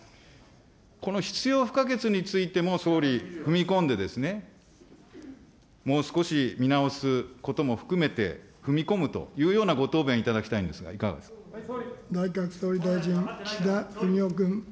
この必要不可欠についても、総理、踏み込んでですね、もう少し見直すことも含めて踏み込むというようなご答弁いただき内閣総理大臣、岸田文雄君。